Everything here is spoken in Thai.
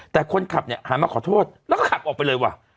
แต่คนขับเนี่ยหันมาขอโทษแล้วก็ขับออกไปเลยว่ะ